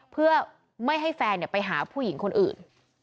เพื่อไม่ให้แฟนไปหาผู้หญิงคนอื่น